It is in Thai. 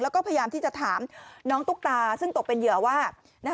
แล้วก็พยายามที่จะถามน้องตุ๊กตาซึ่งตกเป็นเหยื่อว่า